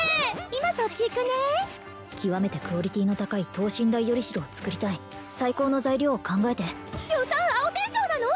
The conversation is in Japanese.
今そっち行くね極めてクオリティーの高い等身大よりしろを作りたい最高の材料を考えて予算青天井なの！？